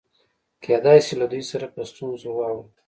کېدای شي له دوی سره په ستونزه واوړو.